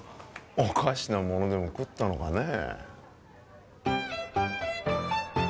おかしなものでも食ったのかねえ